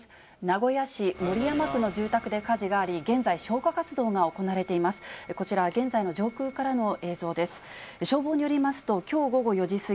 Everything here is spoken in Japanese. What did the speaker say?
名古屋市守山区の住宅で火事があり、現在、消火活動が行われています。